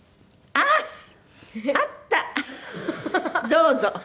どうぞ！